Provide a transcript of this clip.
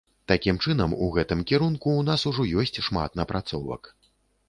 Такім чынам, у гэтым кірунку ў нас ужо ёсць шмат напрацовак.